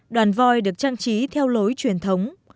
đoàn vòi được trang trí theo lối truyền thống